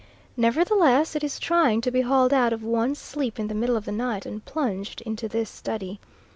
Nevertheless it is trying to be hauled out of one's sleep in the middle of the night, and plunged into this study.